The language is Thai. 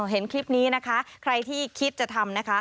เห็นคลิปนี้นะคะใครที่คิดจะทำนะคะ